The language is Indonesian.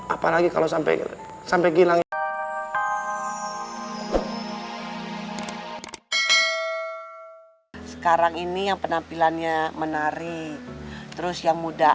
apalagi kalau sampai gitu sampai hilang sekarang ini yang penampilannya menarik terus yang muda